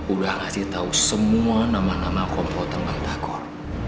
udah ngasih tau semua nama nama komplotan bang tagor